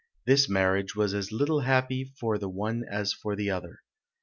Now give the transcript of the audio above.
This marriage was as little happy for the one as for the other.